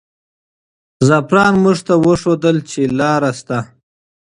زعفران موږ ته وښودل چې لاره شته.